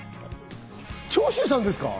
長州さんですか？